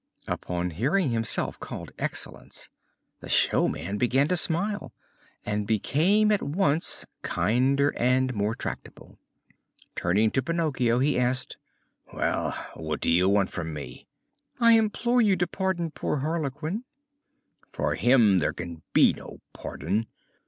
Upon hearing himself called Excellence the showman began to smile and became at once kinder and more tractable. Turning to Pinocchio, he asked: "Well, what do you want from me?" "I implore you to pardon poor Harlequin." "For him there can be no pardon.